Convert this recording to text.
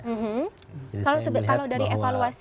kalau dari evaluasi bpn